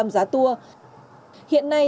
giá tour hiện nay